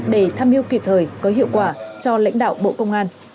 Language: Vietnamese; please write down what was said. để tham mưu kịp thời có hiệu quả cho lãnh đạo bộ công an